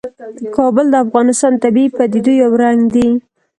کابل د افغانستان د طبیعي پدیدو یو رنګ دی.